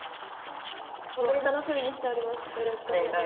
本当に楽しみにしておりました。